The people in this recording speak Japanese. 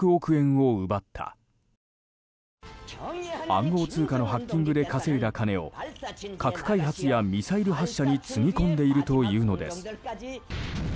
暗号通貨のハッキングで稼いだ金を核開発やミサイル発射につぎ込んでいるというのです。